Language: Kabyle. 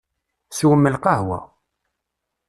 Swem lqahwa.